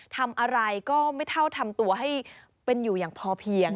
ทำอะไรก็ไม่เท่าทำตัวให้เป็นอยู่อย่างพอเพียง